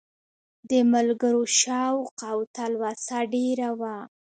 د ملګرو شوق او تلوسه ډېره وه.